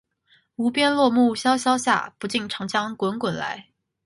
无边落木萧萧下，不尽长江滚滚来